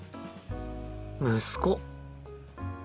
息子。